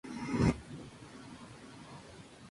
Una fue el naturalismo literario.